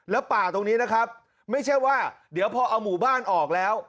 แล้วป่าตรงนี้นะครับไม่ใช่ว่าเดี๋ยวพอเอาหมู่บ้านออกแล้ว